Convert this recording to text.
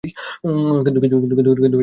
কিন্তু আমরা পেয়ে গেছি।